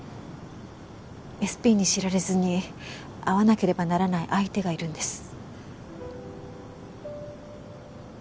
ＳＰに知られずに会わなければならない相手がいるんです。